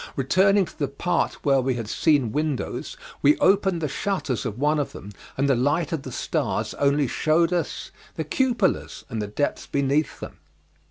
Returning to the part where we had seen windows, we opened the shutters of one of them, and the light of the stars only shewed us the cupolas and the depths beneath them.